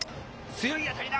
強い当たりだ。